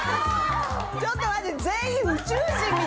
ちょっと待って。